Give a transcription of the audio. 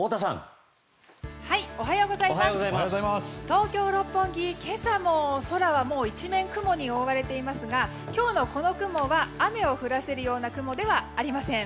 東京・六本木、今朝も空は一面雲に覆われていますが今日のこの雲は雨を降らせるような雲ではありません。